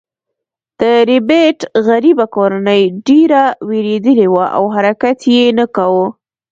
د ربیټ غریبه کورنۍ ډیره ویریدلې وه او حرکت یې نه کاوه